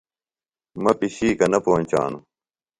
مہ پشِکہ نہ پونچانوۡ۔